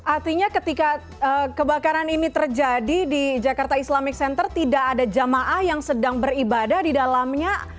artinya ketika kebakaran ini terjadi di jakarta islamic center tidak ada jamaah yang sedang beribadah di dalamnya